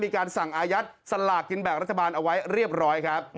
มีการสั่งอายัดสลากกินแบ่งรัฐบาลเอาไว้เรียบร้อยครับ